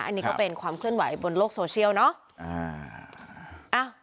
อันนี้ก็เป็นความเคลื่อนไหวบนโลกโซเชียลเนาะ